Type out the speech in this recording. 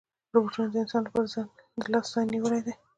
روبوټونه د انسان د لاس ځای نیولی دی.